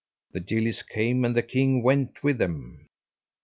The gillies came, and the king went with them.